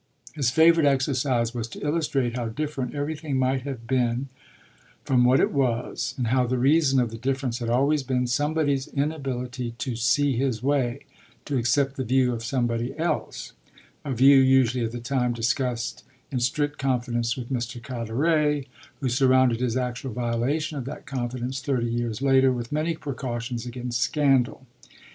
His favourite exercise was to illustrate how different everything might have been from what it was, and how the reason of the difference had always been somebody's inability to "see his way" to accept the view of somebody else a view usually at the time discussed in strict confidence with Mr. Carteret, who surrounded his actual violation of that confidence thirty years later with many precautions against scandal.